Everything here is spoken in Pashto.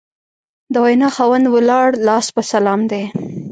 د وینا خاوند ولاړ لاس په سلام دی